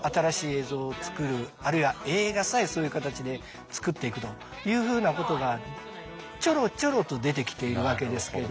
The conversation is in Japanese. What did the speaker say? あるいは映画さえそういう形で作っていくというふうなことがちょろちょろと出てきているわけですけど。